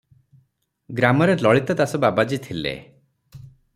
ଗ୍ରାମରେ ଲଳିତା ଦାସ ବାବାଜି ଥିଲେ ।